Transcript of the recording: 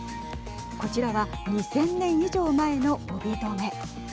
こちらは２０００年以上前の帯留め。